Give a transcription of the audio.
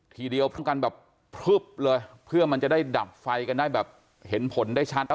ทีเดียวป้องกันแบบพลึบเลยเพื่อมันจะได้ดับไฟกันได้แบบเห็นผลได้ชัด